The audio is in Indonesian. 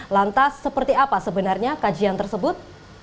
lantas seperti apa sebenarnya kajian tersebut